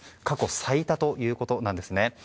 過去最多ということです。